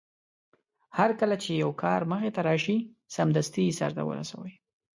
هرکله چې يو کار مخې ته راشي سمدستي يې سرته ورسوي.